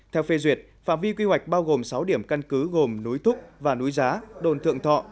theo phê duyệt phạm vi quy hoạch bao gồm sáu điểm căn cứ gồm núi thúc và núi giá đồn thượng thọ